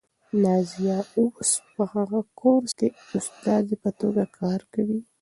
نازیه اوس په هغه کورس کې د استادې په توګه کار کوي.